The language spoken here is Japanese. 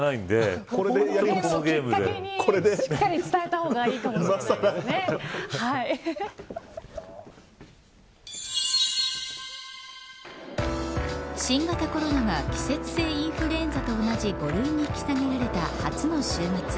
僕もはっきりちゃんとしっかり伝えた方が新型コロナが季節性インフルエンザと同じ５類に引き下げられた初の週末。